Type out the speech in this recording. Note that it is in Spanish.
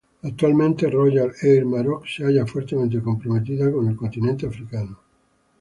Actualmente Royal Air Maroc se halla fuertemente comprometida con el continente africano.